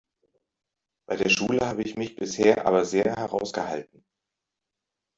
Bei der Schule habe ich mich bisher aber sehr heraus gehalten.